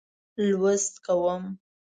لوست کوم.